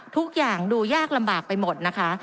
ทุกอย่างดูยากลำบากไปหมดนะคะ